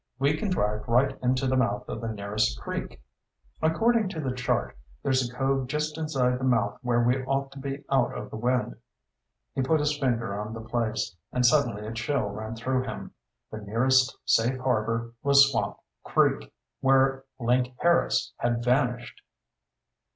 We can drive right into the mouth of the nearest creek. According to the chart, there's a cove just inside the mouth where we ought to be out of the wind." He put his finger on the place, and suddenly a chill ran through him. The nearest safe harbor was Swamp Creek, where Link Harris had vanished!